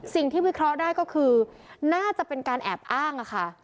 วิเคราะห์ได้ก็คือน่าจะเป็นการแอบอ้างอะค่ะ